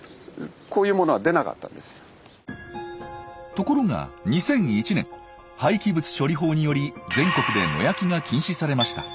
ところが２００１年廃棄物処理法により全国で野焼きが禁止されました。